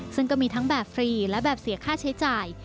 ซึ่งก็มีทั้งแบบฟรีและแบบเสียค่าใช้จ่าย